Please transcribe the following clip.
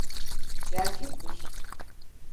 Gerçekmiş…